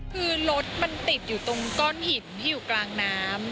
คือรถมันติดอยู่ตรงก้อนหินที่อยู่กลางน้ำ